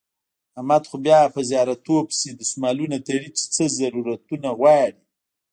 احمد خو بیا په زیارتونو پسې دسمالونه تړي چې څه ضرورتو نه غواړي.